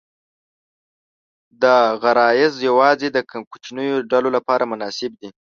دا غرایز یواځې د کوچنیو ډلو لپاره مناسب دي.